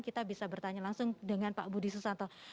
kita bisa bertanya langsung dengan pak budi susanto